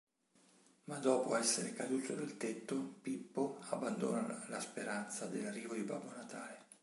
Ma dopo essere caduto dal tetto, Pippo abbandona la speranza dell'arrivo di Babbo Natale.